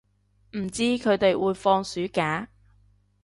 唔知佢哋會放暑假